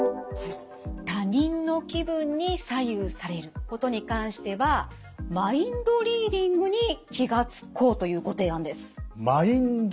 他人の気分に左右されることに関してはＭｉｎｄＲｅａｄｉｎｇに気が付こうというご提案です。